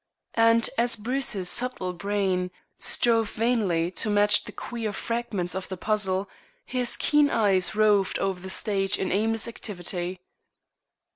And as Bruce's subtle brain strove vainly to match the queer fragments of the puzzle, his keen eyes roved over the stage in aimless activity.